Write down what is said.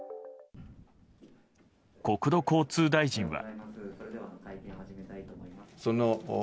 国土交通大臣は。